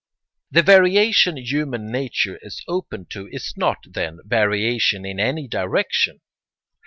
The variation human nature is open to is not, then, variation in any direction.